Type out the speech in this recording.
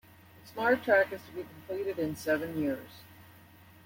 SmartTrack is to be completed in seven years.